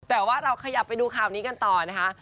แต่ว่าเราขยับไปดูข่าวนี้กันต่อนะคะ